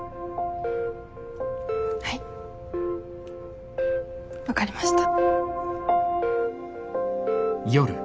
はい分かりました。